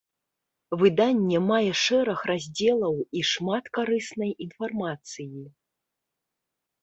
Выданне мае шэраг раздзелаў і шмат карыснай інфармацыі.